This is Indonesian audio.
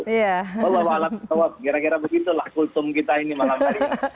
bahwa bahwa alat ketawa kira kira begitulah kultum kita ini malam hari ini